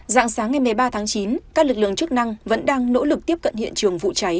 dạng sáng ngày một mươi ba tháng chín các lực lượng chức năng vẫn đang nỗ lực tiếp cận hiện trường vụ cháy